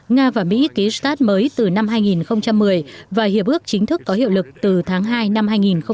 nga và mỹ ký start mới từ năm hai nghìn một mươi và hiệp ước chính thức có hiệu lực từ tháng hai năm hai nghìn một mươi tám